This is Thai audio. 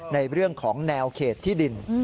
ในเรื่องของแนวเขตที่ดิน